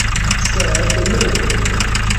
Sed nun?